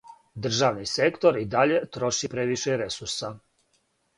Државни сектор и даље троши превише ресурса.